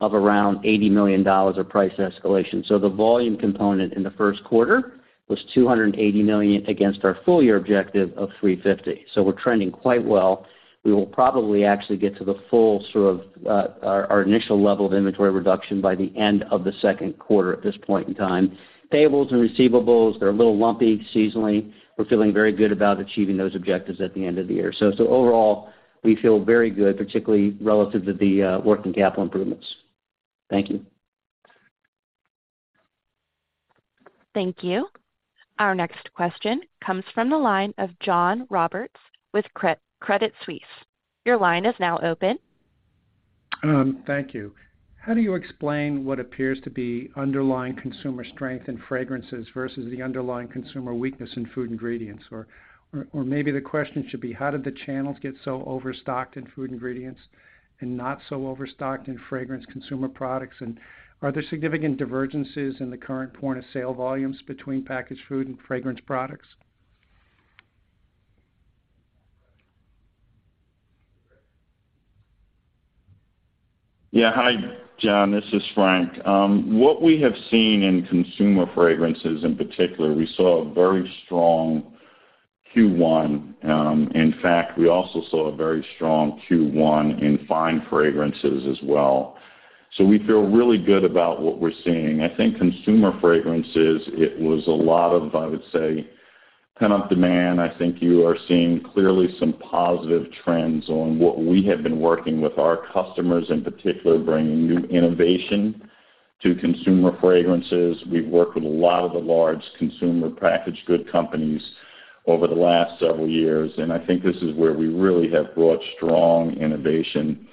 of around $80 million of price escalation. The volume component in the Q1 was $280 million against our full year objective of $350. We're trending quite well. We will probably actually get to the full sort of our initial level of inventory reduction by the end of the Q2 at this point in time. Payables and receivables, they're a little lumpy seasonally. We're feeling very good about achieving those objectives at the end of the year. Overall, we feel very good, particularly relative to the working capital improvements. Thank you. Thank you. Our next question comes from the line of John Roberts with Credit Suisse. Your line is now open. Thank you. How do you explain what appears to be underlying consumer strength in fragrances versus the underlying consumer weakness in food ingredients? Or maybe the question should be, how did the channels get so overstocked in food ingredients and not so overstocked in fragrance consumer products? Are there significant divergences in the current point of sale volumes between packaged food and fragrance products? Yeah. Hi, John, this is Frank. What we have seen in Consumer Fragrances in particular, we saw a very strong Q1. In fact, we also saw a very strong Q1 in Fine Fragrances as well. We feel really good about what we're seeing. I think Consumer Fragrances, it was a lot of, I would say, pent-up demand. I think you are seeing clearly some positive trends on what we have been working with our customers, in particular bringing new innovation to Consumer Fragrances. We've worked with a lot of the large consumer packaged good companies over the last several years, and I think this is where we really have brought strong innovation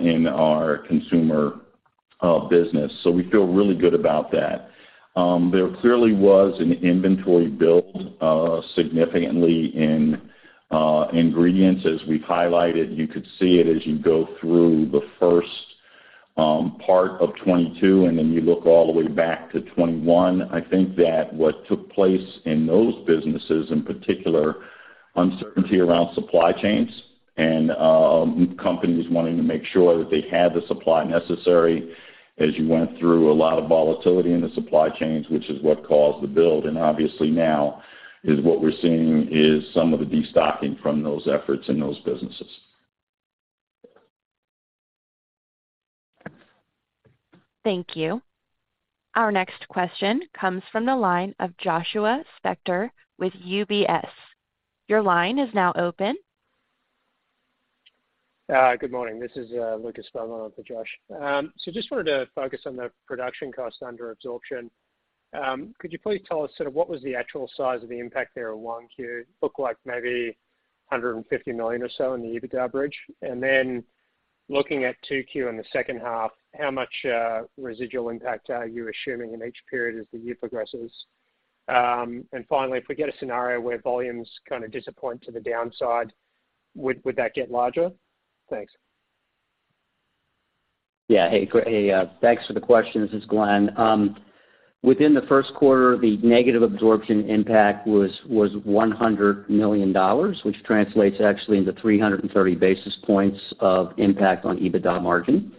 in our consumer business. We feel really good about that. There clearly was an inventory build significantly in Ingredients, as we've highlighted. You could see it as you go through the first part of 2022, and then you look all the way back to 2021. I think that what took place in those businesses, in particular, uncertainty around supply chains and companies wanting to make sure that they had the supply necessary as you went through a lot of volatility in the supply chains, which is what caused the build. Obviously now is what we're seeing is some of the destocking from those efforts in those businesses. Thank you. Our next question comes from the line of Joshua Spector with UBS. Your line is now open. Good morning. This is Lucas Beaumont with Josh. Just wanted to focus on the production cost under absorption. Could you please tell us what was the actual size of the impact there in 1Q? Looked like maybe $150 million or so in the EBITDA bridge. Looking at 2Q in the second half, how much residual impact are you assuming in each period as the year progresses? Finally, if we get a scenario where volumes kinda disappoint to the downside, would that get larger? Thanks. Hey, thanks for the question. This is Glenn. Within the Q1, the negative absorption impact was $100 million, which translates actually into 330 basis points of impact on EBITDA margin.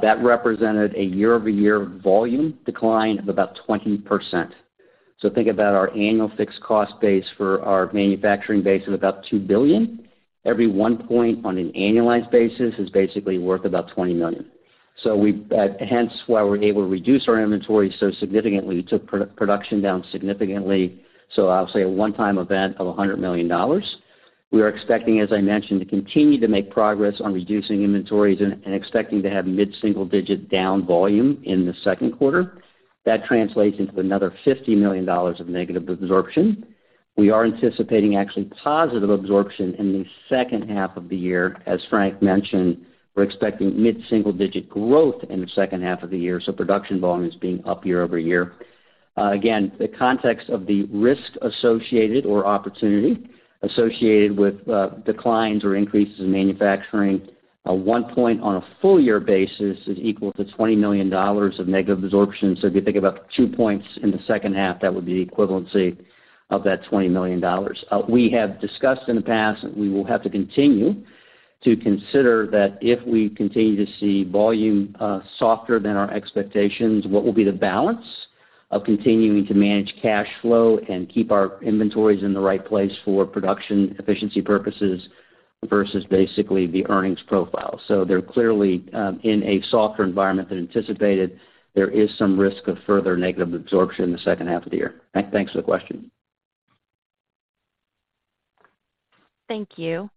That represented a year-over-year volume decline of about 20%. Think about our annual fixed cost base for our manufacturing base of about $2 billion. Every 1 point on an annualized basis is basically worth about $20 million. Hence why we're able to reduce our inventory so significantly, took production down significantly. I'll say a one-time event of $100 million. We are expecting, as I mentioned, to continue to make progress on reducing inventories and expecting to have mid-single digit down volume in the Q2. That translates into another $50 million of negative absorption. We are anticipating actually positive absorption in the second half of the year. As Frank mentioned, we're expecting mid-single digit growth in the second half of the year, production volume is being up year-over-year. Again, the context of the risk associated or opportunity associated with declines or increases in manufacturing at one point on a full year basis is equal to $20 million of negative absorption. If you think about two points in the second half, that would be the equivalency of that $20 million. We have discussed in the past, we will have to continue to consider that if we continue to see volume softer than our expectations, what will be the balance of continuing to manage cash flow and keep our inventories in the right place for production efficiency purposes versus basically the earnings profile. They're clearly in a softer environment than anticipated. There is some risk of further negative absorption in the second half of the year. Thanks for the question. Thank you.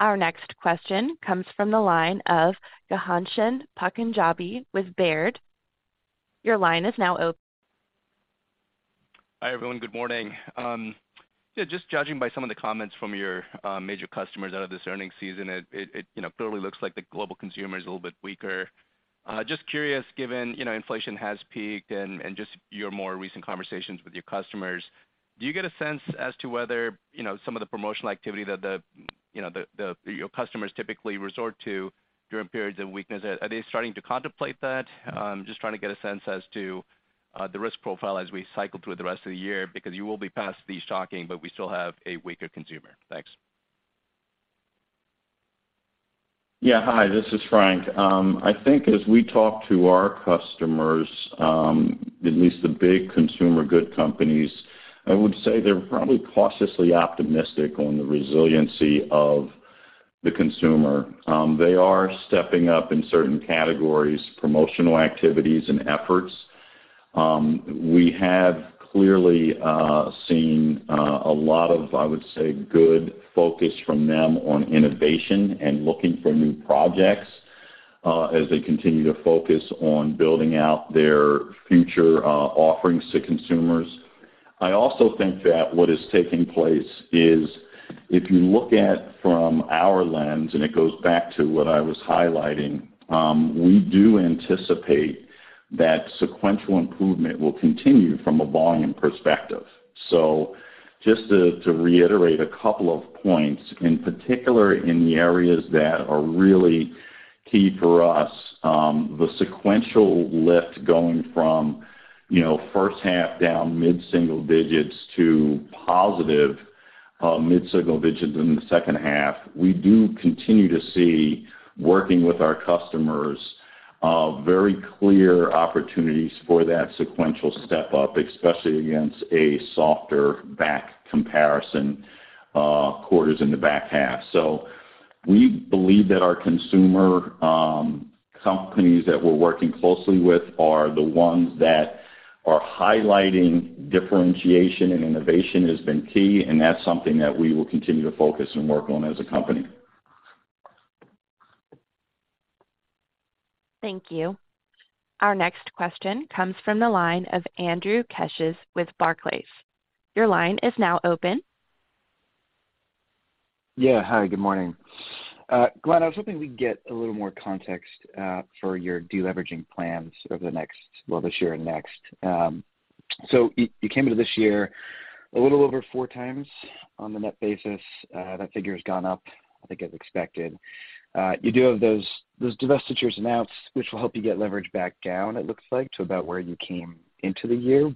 Our next question comes from the line of Ghansham Panjabi with Baird. Your line is now open. Hi, everyone. Good morning. Yeah, just judging by some of the comments from your major customers out of this earnings season, it, you know, clearly looks like the global consumer is a little bit weaker. Just curious, given, you know, inflation has peaked and just your more recent conversations with your customers, do you get a sense as to whether, you know, some of the promotional activity that you know, your customers typically resort to during periods of weakness, are they starting to contemplate that? Just trying to get a sense as to the risk profile as we cycle through the rest of the year because you will be past the shocking, but we still have a weaker consumer. Thanks. Hi, this is Frank. I think as we talk to our customers, at least the big consumer good companies, I would say they're probably cautiously optimistic on the resiliency of the consumer. They are stepping up in certain categories, promotional activities and efforts. We have clearly seen a lot of, I would say, good focus from them on innovation and looking for new projects, as they continue to focus on building out their future offerings to consumers. I also think that what is taking place is if you look at from our lens, and it goes back to what I was highlighting, we do anticipate that sequential improvement will continue from a volume perspective. Just to reiterate a couple of points, in particular in the areas that are really key for us, the sequential lift going from, you know, first half down mid-single digits to positive, mid-single digits in the second half. We do continue to see, working with our customers, very clear opportunities for that sequential step up, especially against a softer back comparison, quarters in the back half. We believe that our consumer companies that we're working closely with are the ones that are highlighting differentiation and innovation has been key, and that's something that we will continue to focus and work on as a company. Thank you. Our next question comes from the line of Andrew Keches with Barclays. Your line is now open. Hi, good morning. Glenn, I was hoping we could get a little more context for your deleveraging plans over the next, this year and next. You came into this year a little over 4 times on the net basis. That figure has gone up, I think as expected. You do have those divestitures announced which will help you get leverage back down, it looks like, to about where you came into the year.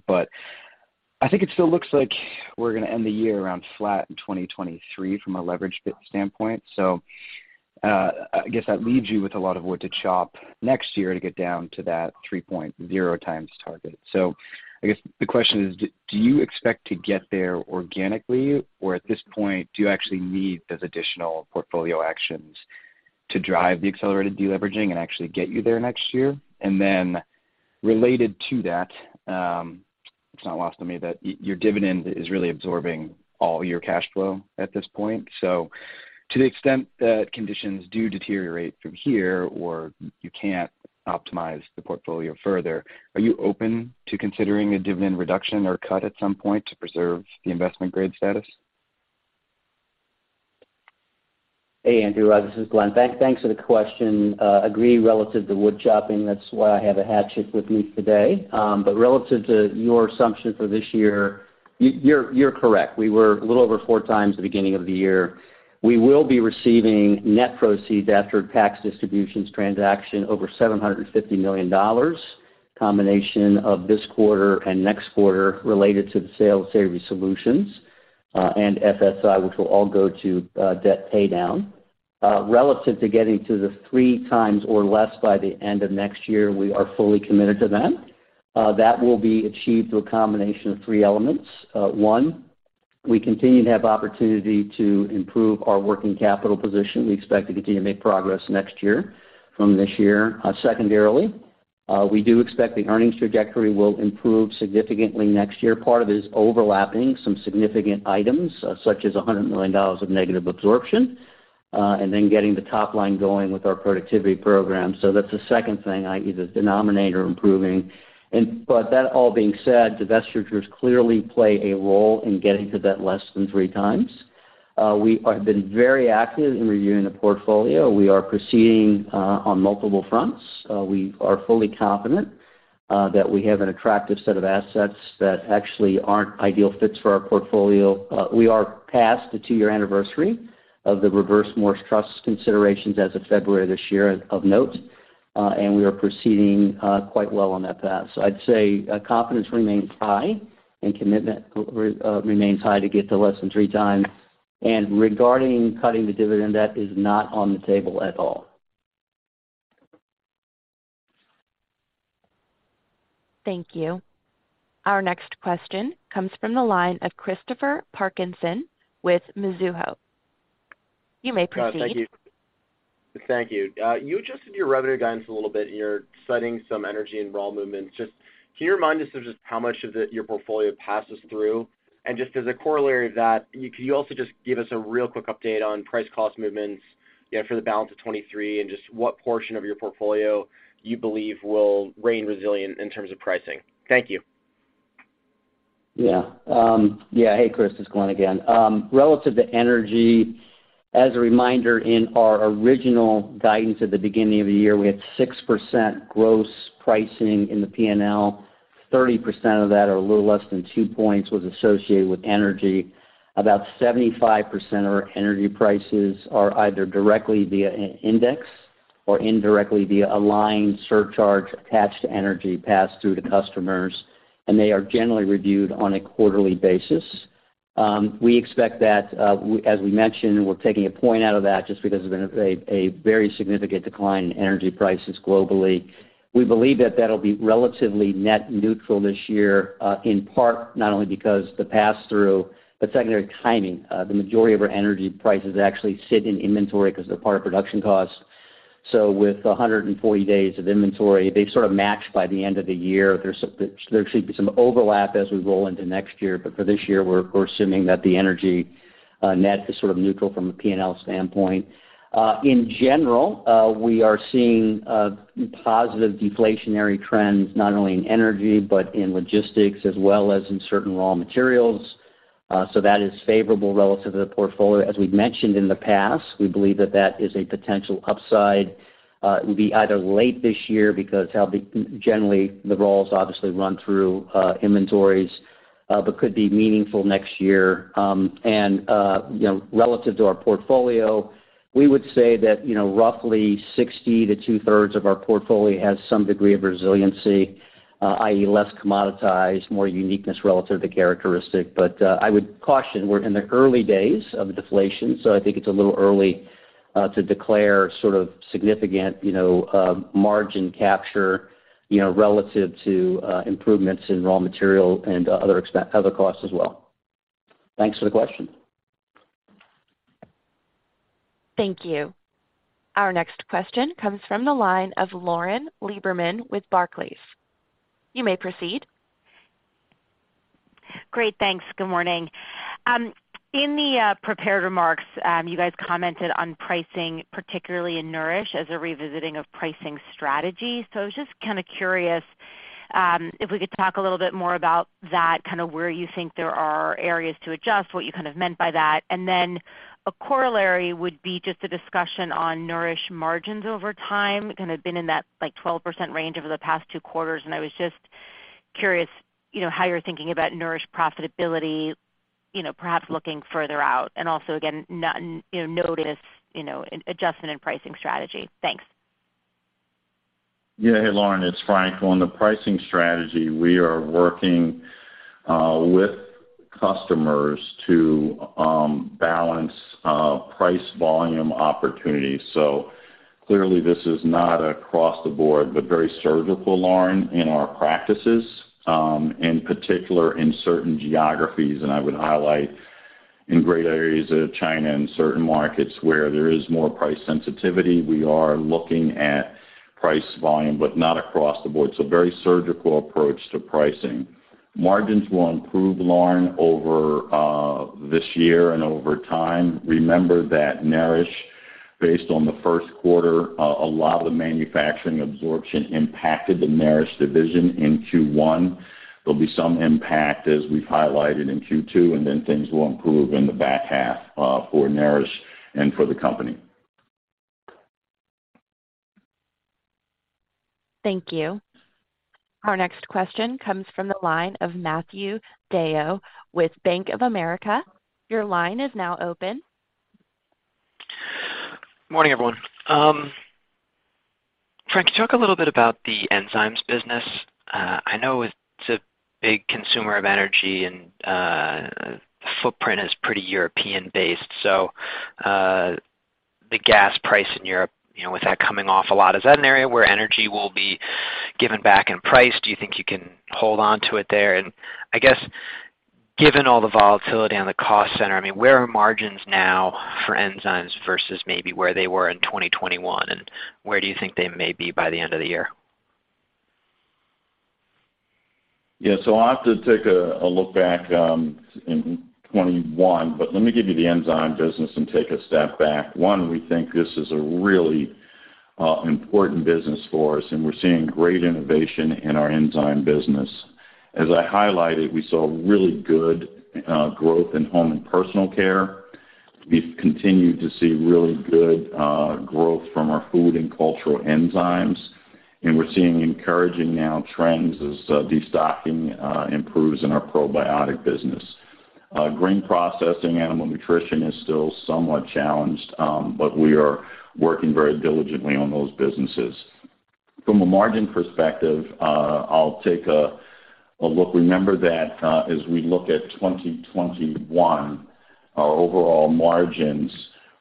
I think it still looks like we're gonna end the year around flat in 2023 from a leverage standpoint. I guess that leaves you with a lot of wood to chop next year to get down to that 3.0 times target. I guess the question is, do you expect to get there organically? At this point, do you actually need those additional portfolio actions to drive the accelerated deleveraging and actually get you there next year? Related to that, it's not lost on me that your dividend is really absorbing all your cash flow at this point. To the extent that conditions do deteriorate from here or you can't optimize the portfolio further, are you open to considering a dividend reduction or cut at some point to preserve the investment grade status? Hey, Andrew. This is Glenn. Thanks for the question. Agree relative to wood chopping. That's why I have a hatchet with me today. Relative to your assumption for this year, you're correct. We were a little over 4 times the beginning of the year. We will be receiving net proceeds after tax distributions transaction over $750 million, combination of this quarter and next quarter related to the sale of Savory Solutions and FSI, which will all go to debt paydown. Relative to getting to the three times or less by the end of next year, we are fully committed to that. That will be achieved through a combination of three elements. One, we continue to have opportunity to improve our working capital position. We expect to continue to make progress next year from this year. Secondarily, we do expect the earnings trajectory will improve significantly next year. Part of it is overlapping some significant items such as $100 million of negative absorption, and then getting the top line going with our productivity program. That's the second thing, i.e., the denominator improving. That all being said, divestitures clearly play a role in getting to that less than three times. We have been very active in reviewing the portfolio. We are proceeding on multiple fronts. We are fully confident that we have an attractive set of assets that actually aren't ideal fits for our portfolio. We are past the two-year anniversary of the reverse Morris Trust considerations as of February this year of note, and we are proceeding quite well on that path. I'd say, confidence remains high and commitment, remains high to get to less than three times. Regarding cutting the dividend, that is not on the table at all. Thank you. Our next question comes from the line of Christopher Parkinson with Mizuho. You may proceed. Thank you. You adjusted your revenue guidance a little bit. You're citing some energy and raw movements. Just can you remind us of just how much of your portfolio passes through? Just as a corollary of that, can you also just give us a real quick update on price cost movements, you know, for the balance of 23 and just what portion of your portfolio you believe will remain resilient in terms of pricing? Thank you. Yeah. Yeah. Hey, Chris, it's Glenn again. Relative to energy, as a reminder, in our original guidance at the beginning of the year, we had 6% gross pricing in the P&L. 30% of that or a little less than 2 points was associated with energy. About 75% of our energy prices are either directly via an index or indirectly via a line surcharge attached to energy passed through to customers, and they are generally reviewed on a quarterly basis. We expect that, as we mentioned, we're taking 1 point out of that just because of a very significant decline in energy prices globally. We believe that that'll be relatively net neutral this year, in part not only because the pass-through, but secondary timing. The majority of our energy prices actually sit in inventory because they're part of production costs. With 140 days of inventory, they sort of match by the end of the year. There should be some overlap as we roll into next year, but for this year, we're assuming that the energy net is sort of neutral from a P&L standpoint. In general, we are seeing positive deflationary trends not only in energy, but in logistics as well as in certain raw materials. That is favorable relative to the portfolio. As we've mentioned in the past, we believe that that is a potential upside. It would be either late this year because how generally the roles obviously run through inventories, but could be meaningful next year. You know, relative to our portfolio, we would say that, you know, roughly 60 to two-thirds of our portfolio has some degree of resiliency, i.e., less commoditized, more uniqueness relative to characteristic. I would caution we're in the early days of deflation, so I think it's a little early to declare sort of significant, you know, margin capture, you know, relative to improvements in raw material and other other costs as well. Thanks for the question. Thank you. Our next question comes from the line of Lauren Lieberman with Barclays. You may proceed. Great. Thanks. Good morning. In the prepared remarks, you guys commented on pricing, particularly in Nourish as a revisiting of pricing strategy. I was just kind of curious. If we could talk a little bit more about that, kinda where you think there are areas to adjust, what you kind of meant by that. A corollary would be just a discussion on Nourish margins over time, kind of been in that like 12% range over the past two quarters, and I was just curious, you know, how you're thinking about Nourish profitability, you know, perhaps looking further out and also again, not, you know, notice, you know, adjustment and pricing strategy. Thanks. Yeah. Hey, Lauren, it's Frank. On the pricing strategy, we are working with customers to balance price volume opportunities. Clearly this is not across the board, but very surgical, Lauren, in our practices, in particular in certain geographies, and I would highlight in greater areas of China and certain markets where there is more price sensitivity. We are looking at price volume, but not across the board. Very surgical approach to pricing. Margins will improve, Lauren, over this year and over time. Remember that Nourish, based on the Q1, a lot of the manufacturing absorption impacted the Nourish division in Q1. There'll be some impact as we've highlighted in Q2, and then things will improve in the back half for Nourish and for the company. Thank you. Our next question comes from the line of Matthew DeYoe with Bank of America. Your line is now open. Morning, everyone. Frank, you talk a little bit about the enzymes business. I know it's a big consumer of energy and footprint is pretty European-based. The gas price in Europe, you know, with that coming off a lot, is that an area where energy will be given back in price? Do you think you can hold on to it there? I guess given all the volatility on the cost center, I mean, where are margins now for enzymes versus maybe where they were in 2021, and where do you think they may be by the end of the year? Yeah. I'll have to take a look back in 2021, but let me give you the enzyme business and take a step back. One, we think this is a really important business for us, and we're seeing great innovation in our enzyme business. As I highlighted, we saw really good growth in Home & Personal Care. We've continued to see really good growth from our Cultures & Food Enzymes, and we're seeing encouraging now trends as destocking improves in our probiotic business. Grain Processing, Animal Nutrition & Health is still somewhat challenged, but we are working very diligently on those businesses. From a margin perspective, I'll take a look. Remember that, as we look at 2021, our overall margins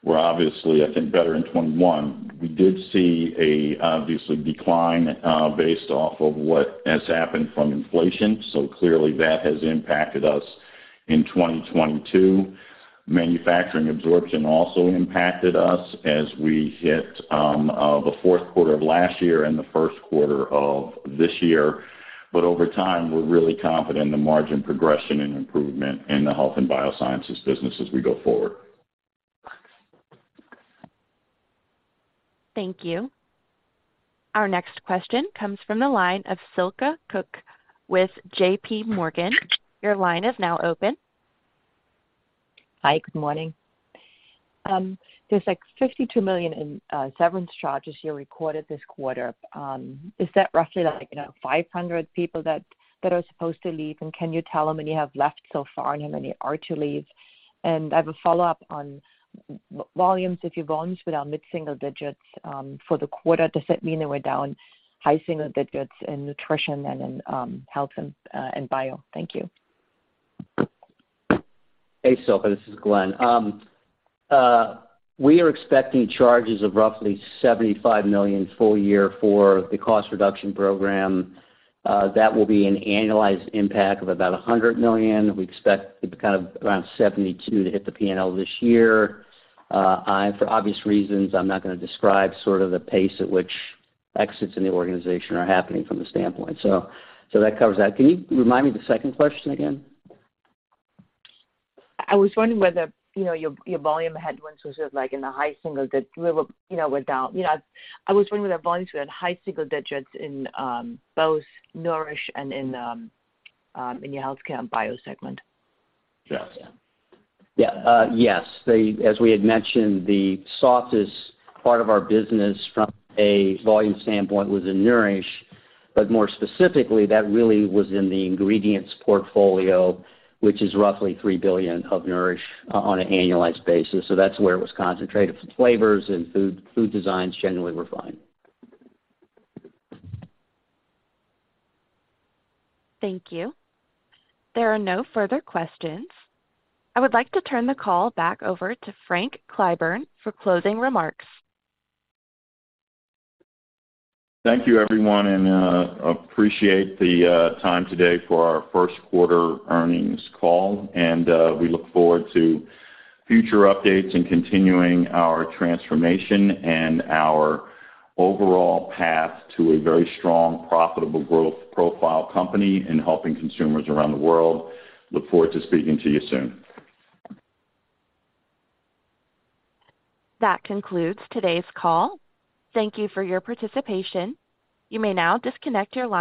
were obviously, I think better in 2021. We did see a, obviously decline, based off of what has happened from inflation. Clearly that has impacted us in 2022. Manufacturing absorption also impacted us as we hit the Q4 of last year and the Q1 of this year. Over time, we're really confident the margin progression and improvement in the Health & Biosciences business as we go forward. Thank you. Our next question comes from the line of Silke Kueck with JPMorgan. Your line is now open. Hi, good morning. There's like $52 million in severance charges you recorded this quarter. Is that roughly like, you know, 500 people that are supposed to leave? Can you tell how many have left so far and how many are to leave? I have a follow-up on volumes. If your volumes without mid-single digits for the quarter, does that mean they were down high single digits in nutrition and in Health and Bio? Thank you. Hey, Silke. This is Glenn. We are expecting charges of roughly $75 million full year for the cost reduction program. That will be an annualized impact of about $100 million. We expect it to be kind of around $72 million to hit the P&L this year. For obvious reasons, I'm not gonna describe sort of the pace at which exits in the organization are happening from the standpoint. That covers that. Can you remind me the second question again? I was wondering whether volumes were at high single digits in both Nourish and in your Health and Bio segment. Yes. Yes. As we had mentioned, the softest part of our business from a volume standpoint was in Nourish. More specifically, that really was in the Ingredients portfolio, which is roughly $3 billion of Nourish on an annualized basis. For Flavors and Food Design generally were fine. Thank you. There are no further questions. I would like to turn the call back over to Frank Clyburn for closing remarks. Thank you everyone, and appreciate the time today for our Q1 earnings call. We look forward to future updates and continuing our transformation and our overall path to a very strong, profitable growth profile company in helping consumers around the world. Look forward to speaking to you soon. That concludes today's call. Thank you for your participation. You may now disconnect your line.